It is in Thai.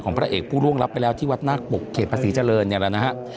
ของพระเอกผู้ร่วงรับไปแล้วที่วัดนาคปรกเขตประศรีเจริญเนี่ยแหละนะครับ